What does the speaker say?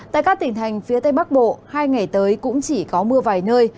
tại các tỉnh thành phía tây bắc bộ hai ngày tới cũng chỉ có mưa vài nơi